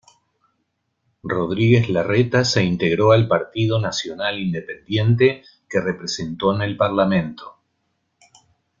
Rodríguez Larreta se integró al Partido Nacional Independiente, que representó en el Parlamento.